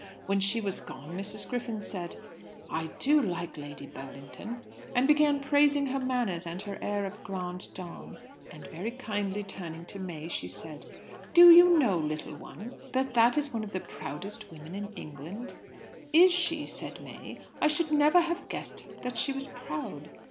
When she was gone Mrs. Griffin said, 'I do like Lady Burlington,' and began praising her manners and her air of grande dame. And, very kindly turning to May, she said, 'Do you know, little one, that that is one of the proudest women in England?' 'Is she?' said May. 'I should never have guessed that she was proud.'